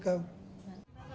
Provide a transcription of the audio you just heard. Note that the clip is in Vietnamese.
đây là sự việc hư hũ